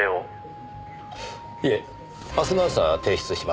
いえ明日の朝提出します。